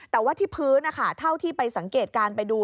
แต่ว่าที่พื้นนะคะเท่าที่ไปสังเกตการณ์ไปดู